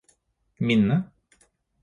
minne